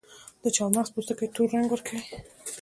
د چارمغز پوستکي تور رنګ ورکوي.